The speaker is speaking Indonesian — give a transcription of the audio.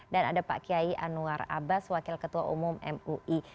dan ada pak kiai anwar abbas wakil ketua umum mui